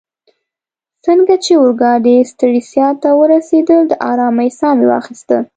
څنګه چي اورګاډې سټریسا ته ورسیدل، د آرامۍ ساه مې واخیسته.